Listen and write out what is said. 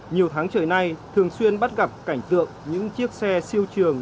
nhiều tháng trời nay thường xuyên bắt gặp cảnh tượng những chiếc xe siêu trường